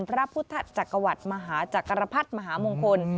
พระพุทธจักรวรรดิมหาจักรพรรดิมหามงคล